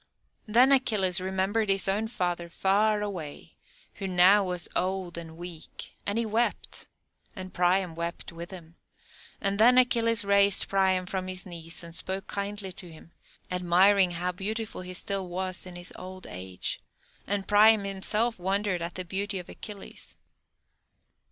Then Achilles remembered his own father, far away, who now was old and weak: and he wept, and Priam wept with him, and then Achilles raised Priam from his knees and spoke kindly to him, admiring how beautiful he still was in his old age, and Priam himself wondered at the beauty of Achilles.